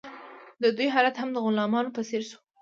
د دوی حالت هم د غلامانو په څیر شو.